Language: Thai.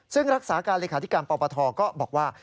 ซึ่งรักษาการเลขาธิการปปทก็บอกว่า